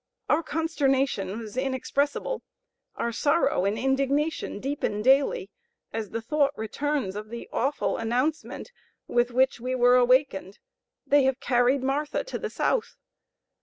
Our consternation was inexpressible; our sorrow and indignation deepen daily, as the thought returns of the awful announcement with which we were awakened: they have carried Martha to the South.